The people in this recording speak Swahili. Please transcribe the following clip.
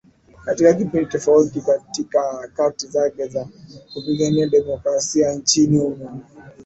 katika kipindi tofauti katika harakati zake za kupigania demokrasia nchini humo